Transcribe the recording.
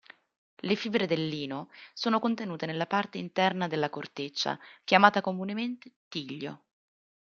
Le fibre del lino sono contenute nella parte interna della corteccia, chiamata comunemente tiglio.